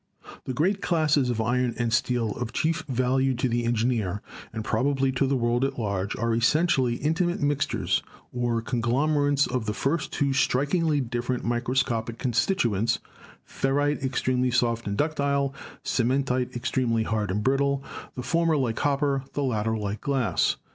The great classes of iron and steel of chief value to the engineer and probably to the world at large are essentially intimate mixtures or conglomerates of the first two strik ingly different microscopic constituents, ferrite extremely soft and ductile, cementite extremely hard and brittle, the former like copper, the latter like glass.